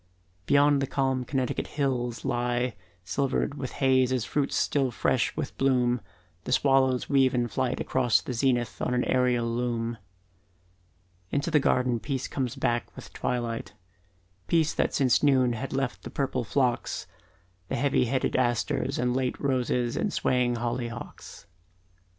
Beyond the calm Connecticut the hills lie Silvered with haze as fruits still fresh with bloom, The swallows weave in flight across the zenith On an aerial loom. Into the garden peace comes back with twilight, Peace that since noon had left the purple phlox, The heavy headed asters, the late roses And swaying hollyhocks.